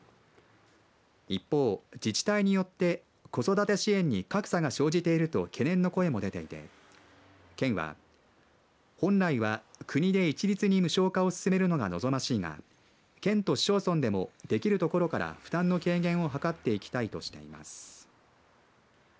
一方、自治体によって子育て支援に格差が生じていると懸念の声も出ていて県は、本来は国で一律に無償化を進めるのが望ましいが県と市町村でもできるところから負担の軽減を図っていきたいとしています。